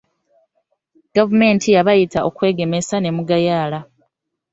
Gavumenti yabayita okwegemesa ne mugayaala.